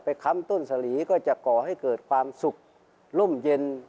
ค้ำต้นสลีก็จะก่อให้เกิดความสุขล่มเย็น